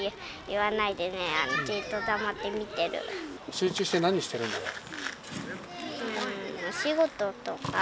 集中して何してるんだろう？